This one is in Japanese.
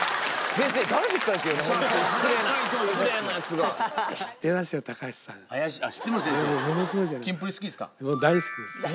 先生キンプリ好きですか？